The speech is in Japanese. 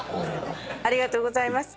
ありがとうございます。